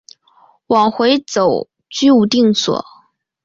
往回走居无定所